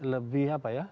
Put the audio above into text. lebih apa ya